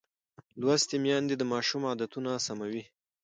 لوستې میندې د ماشوم عادتونه سموي.